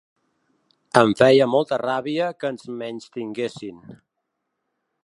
Em feia molta ràbia que ens menystinguessin.